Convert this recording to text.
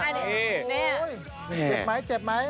โอ้โหเจ็บไหมเจ็บไหม